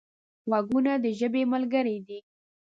غوږونه د ژبې ملګري دي